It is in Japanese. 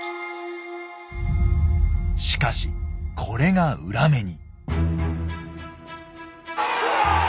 しかしこれが裏目に。